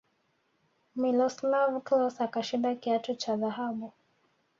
miloslav klose akashinda kiatu cha dhahabu